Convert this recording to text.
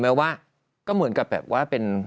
ว่าก็เหมือนกับแบบว่าเป็น